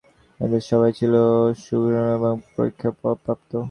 এঁদের সবাই ছিল সুশৃঙ্খল এবং প্রশিক্ষণপ্রাপ্ত।